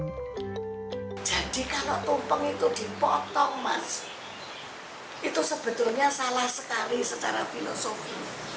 jadi kalau tumpeng itu dipotong itu sebetulnya salah sekali secara filosofi